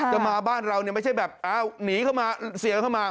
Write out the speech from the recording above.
จะมาบ้านเราไม่ใช่หนีเข้ามาเสี่ยเข้ามา